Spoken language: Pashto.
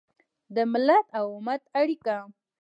د ملت او امت اړیکه